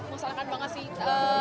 mengesankan banget sih